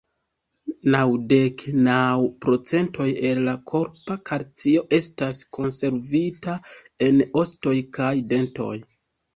Naŭdek naŭ procentoj el la korpa kalcio estas konservita en ostoj kaj dentoj.